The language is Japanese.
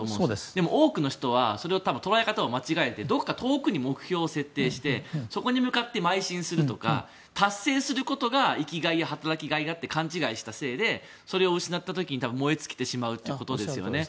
でも、多くの人は捉え方を間違えちゃってもっと遠くに目標を置いちゃってそこに向かって邁進するとか達成することが生きがいや働きがいだって勘違いしたせいでそれを失った時に燃え尽きてしまうということですよね。